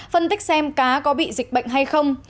phân tích xem cá có bị dịch bệnh hay không